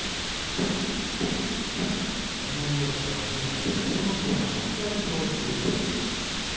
この両者は現在阿武咲が６連勝中。